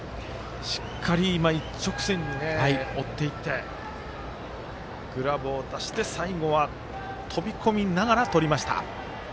しっかり一直線に追っていってグラブを出して最後は飛び込みながらとりました。